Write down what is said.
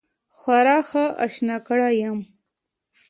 خورا ښه آشنا کړی یم.